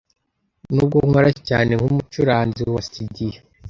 Nubwo nkora cyane nkumucuranzi wa studio,